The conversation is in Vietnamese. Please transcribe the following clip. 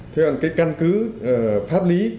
thế còn cái căn cứ pháp lý